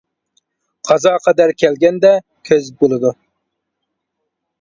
«قازا قەدەر كەلگەندە كۆز بولىدۇ» .